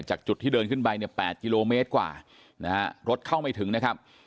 จากจุดที่เดินขึ้นไปเนี่ย๘กิโลเมตรกว่านะฮะรถเข้าไม่ถึงนะครับ